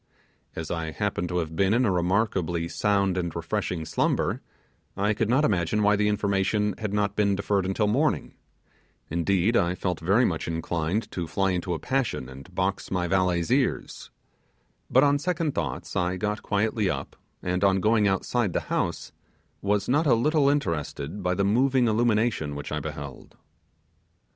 As I happened to have been in a remarkably sound and refreshing slumber, I could not imagine why the information had not been deferred until morning, indeed, I felt very much inclined to fly into a passion and box my valet's ears; but on second thoughts I got quietly up, and on going outside the house was not a little interested by the moving illumination which I beheld.